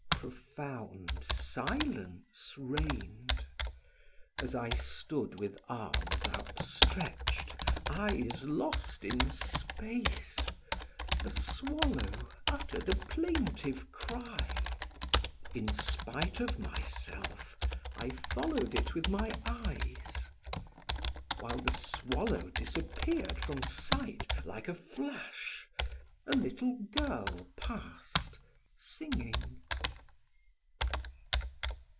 Profound silence reigned. As I stood with arms outstretched, eyes lost in space, a swallow uttered a plaintive cry; in spite of myself I followed it with my eyes; while the swallow disappeared from sight like a flash, a little girl passed, singing.